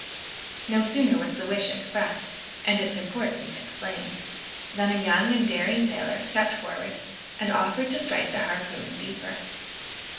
No sooner was the wish expressed, and its importance explained, than a young and daring sailor stepped forward, and offered to strike the harpoon deeper.